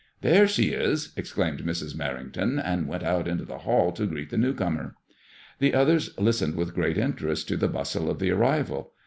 There she is I " exclaimed Mrs. Merringtoni and went out into the hall to greet the new comer. The others listened with great interest to the bustle of the arrival.